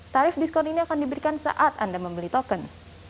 tarif diskon ini akan diberikan saat anda membeli token